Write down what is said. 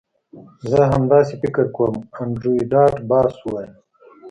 زه هم همداسې فکر کوم انډریو ډاټ باس وویل